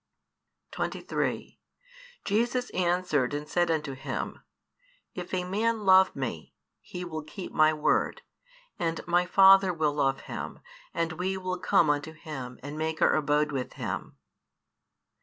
23 Jesus answered and said unto him, If a man love Me, he will keep My word: and My Father will love him, and We will come unto him, and make our abode with him.